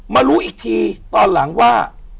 มารู้อีกทีตอนหลังว่า